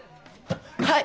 はい！